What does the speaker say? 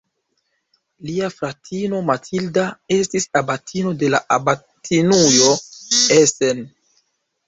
Lia fratino Matilda estis abatino de la abatinujo Essen.